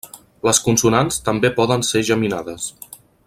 Les consonants també poden ser geminades.